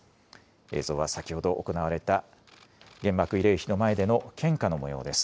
映像は先ほど行われた原爆慰霊碑の前での献花のもようです。